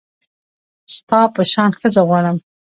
ستا په شان ښځه غواړم